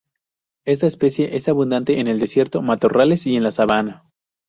Esta especie es abundante en el desierto, matorrales y en la sabana.